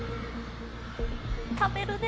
ためるね。